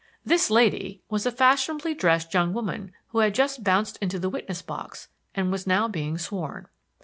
"This lady" was a fashionably dressed young woman who had just bounced into the witness box and was now being sworn.